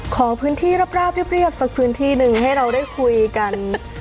ขอพื้นที่ราบเรียบสักพื้นที่หนึ่งให้เราได้คุยกัน